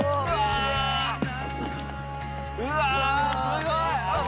うわすごい！